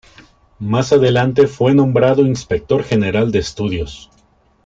Más adelante fue nombrado inspector general de estudios.